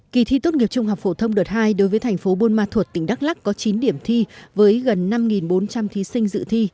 kỳ thi tốt nghiệp trung học phổ thông đợt hai đối với thành phố buôn ma thuột tỉnh đắk lắc có chín điểm thi với gần năm bốn trăm linh thí sinh dự thi